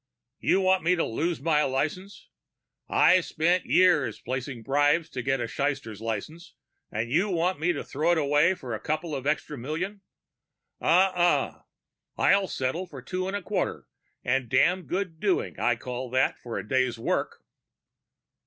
"You want me to lose my license? I spend years placing bribes to get a slyster's license, and you want me to throw it away for an extra couple million? Uh uh. I'll settle for two and a quarter, and damn good doing I call that for a day's work."